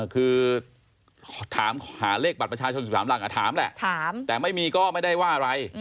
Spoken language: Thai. คือถามหาเลขบัตรประชาชน๑๓หลังถามแหละแต่ไม่มีก็ไม่ได้ว่าอะไร